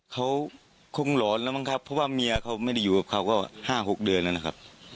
เขาคงหลอนแล้วมั้งครับเพราะว่าเมียเขาไม่ได้อยู่กับเขาก็๕๖เดือนแล้วนะครับ